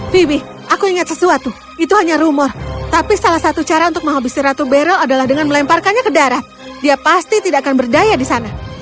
phibie aku ingat sesuatu itu hanya rumor tapi salah satu cara untuk menghabisi ratu beryel adalah dengan melemparkannya ke darat dia pasti tidak akan berdaya di sana